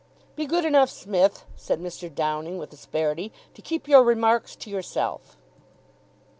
"Be good enough, Smith," said Mr. Downing with asperity, "to keep your remarks to yourself."